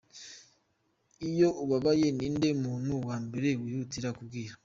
Iyo ubabaye ninde muntu wa mbere wihutira kubwira?.